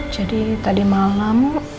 jadi tadi malam